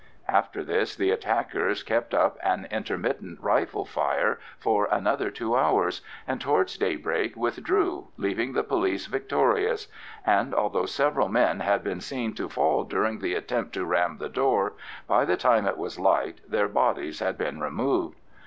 After this the attackers kept up an intermittent rifle fire for another two hours, and towards daybreak withdrew, leaving the police victorious; and although several men had been seen to fall during the attempt to ram the door, by the time it was light their bodies had been removed.